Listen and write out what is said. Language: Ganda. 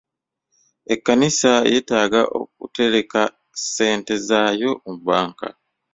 Ekkanisa yeetaaga okuteleka ssente zaayo mu bbanka.